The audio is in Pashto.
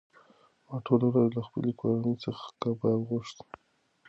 ما ټوله ورځ له خپلې کورنۍ څخه کباب غوښت.